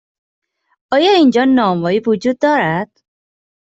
آیا اینجا نانوایی وجود دارد؟